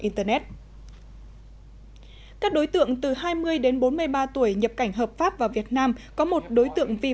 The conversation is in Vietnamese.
internet các đối tượng từ hai mươi đến bốn mươi ba tuổi nhập cảnh hợp pháp vào việt nam có một đối tượng vi